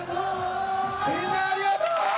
みんなありがとう！